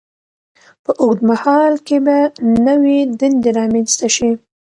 په اوږد مهال کې به نوې دندې رامینځته شي.